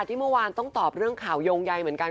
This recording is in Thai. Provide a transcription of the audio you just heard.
ที่เมื่อวานต้องตอบเรื่องข่าวโยงใยเหมือนกัน